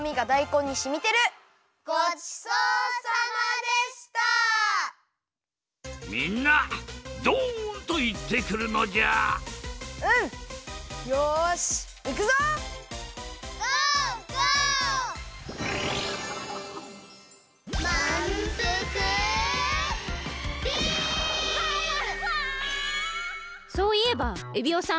そういえばエビオさん